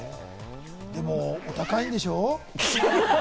でもお高いんでしょう？